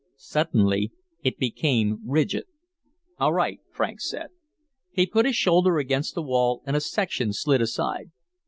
Suddenly it became rigid. "All right," Franks said. He put his shoulder against the wall and a section slid aside.